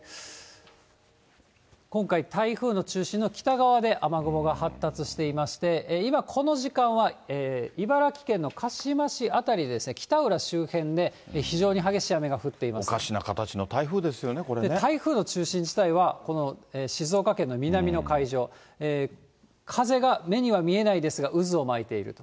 今回、台風の中心の北側で雨雲が発達していまして、今、この時間は茨城県のかしま市辺りですね、きたうら周辺で、おかしな形の台風ですよね、台風の中心自体はこの静岡県の南の海上、風が目には見えないですが、渦を巻いていると。